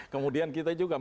kemudian kita juga